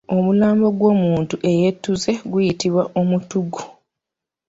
Omulambo gw'omuntu eyeetuze guyitibwa omutuggu